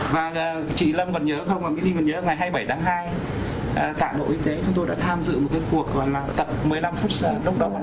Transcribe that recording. và chị lâm còn nhớ không cái gì mình nhớ ngày hai mươi bảy tháng hai tạng bộ y tế chúng tôi đã tham dự một cái cuộc tập một mươi năm phút lúc đó bằng bộ trưởng